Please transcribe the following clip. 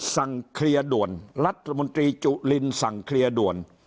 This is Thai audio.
สั่งเคลียร์ด่วนรัฐมนตรีจุลินสั่งเคลียร์ด่วน